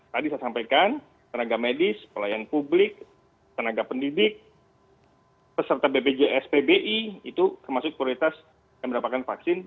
tadi saya sampaikan tenaga medis pelayan publik tenaga pendidik peserta bpjs pbi itu termasuk prioritas yang mendapatkan vaksin